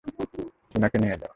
উনাকে নিয়ে যাও।